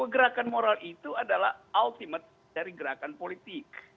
gerakan moral itu adalah ultimate dari gerakan politik